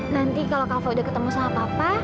nanti kalau kafe udah ketemu sama papa